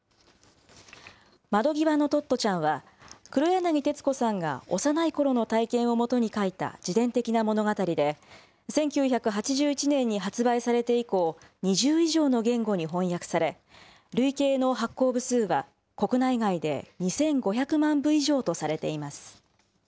窓ぎわのトットちゃんは、黒柳徹子さんが幼いころの体験をもとに書いた自伝的な物語で、１９８１年に発売されて以降、２０以上の言語に翻訳され、累計の発行部数は国内外で２５００万部以上とされています。